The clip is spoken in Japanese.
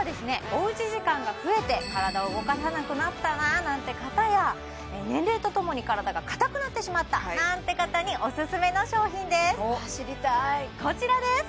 おうち時間が増えて体を動かさなくなったななんて方や年齢とともに体が硬くなってしまったなんて方にオススメの商品ですわ知りたいこちらです